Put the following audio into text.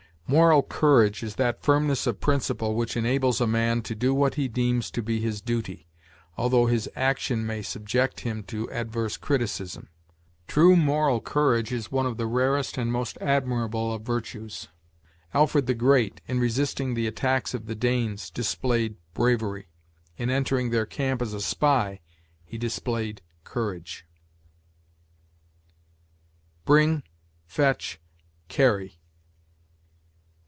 Moral courage is that firmness of principle which enables a man to do what he deems to be his duty, although his action may subject him to adverse criticism. True moral courage is one of the rarest and most admirable of virtues. Alfred the Great, in resisting the attacks of the Danes, displayed bravery; in entering their camp as a spy, he displayed courage. BRING FETCH CARRY.